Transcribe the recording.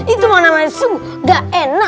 itu makna masuk gak enak